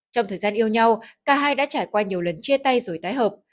trong thời gian yêu nhau cả hai đã trải qua nhiều lần chia tay rồi tái hợp